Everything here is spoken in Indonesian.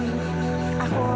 aku nyuruh kalau dia menang